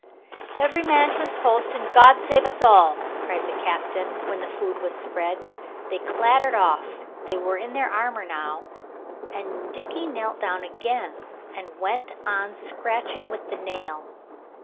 "Every man to his post and God save us all!" cried the captain when the food was spread. They clattered off they were in their armor now and Dickie knelt down again and went on scratching with the nail.